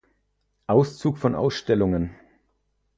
Auszug von Ausstellungen.